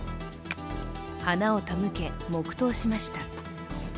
花を手向け、黙とうしました。